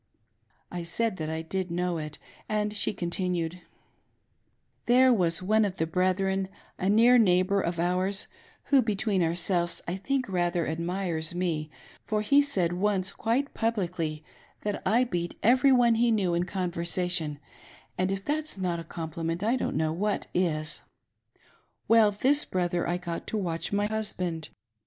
'" I said that I did know it, and she continued: — "There was one of the brethren — a near neighbor of ours, vi\o, between ourselves, I think rather admires me, for he said once quite publicly that I beat every one he knew in conver sation, and if that's not a compliment, I don't know what is: —■ DOUBLY watchful! jqi ; well, this brother I got to watch nly husband.